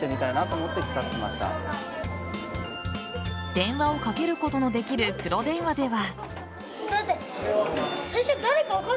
電話を掛けることのできる黒電話では。